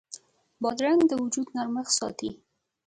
بادرنګ د وجود نرمښت ساتي.